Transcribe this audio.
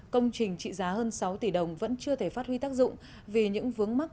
công trình trị giá hơn sáu tỷ đồng vẫn chưa thể phát huy tác dụng vì những vướng mắt